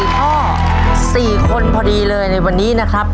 ๔ข้อ๔คนพอดีเลยในวันนี้นะครับ